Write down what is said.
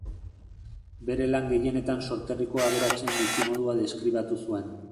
Bere lan gehienetan sorterriko aberatsen bizimodua deskribatu zuen.